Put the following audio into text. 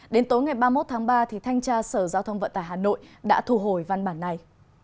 đến tối ngày ba mươi một tháng ba thanh tra sở giao thông vận tải hà nội đã thu hồi văn bản này